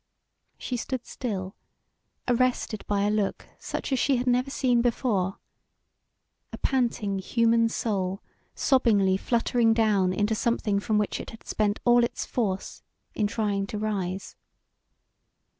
She stood still, arrested by a look such as she had never seen before: a panting human soul sobbingly fluttering down into something from which it had spent all its force in trying to rise.